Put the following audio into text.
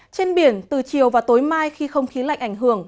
trên biển từ chiều và tối mai khi không khí lạnh ảnh hưởng